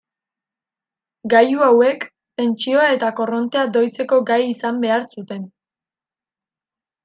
Gailu hauek, tentsioa eta korrontea doitzeko gai izan behar zuten.